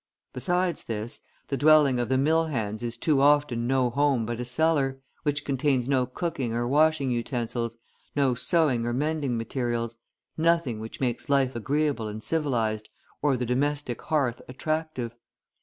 Besides this, the dwelling of the mill hands is too often no home but a cellar, which contains no cooking or washing utensils, no sewing or mending materials, nothing which makes life agreeable and civilised, or the domestic hearth attractive.